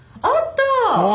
ああった！